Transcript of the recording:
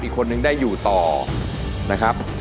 อีกคนนึงได้อยู่ต่อนะครับ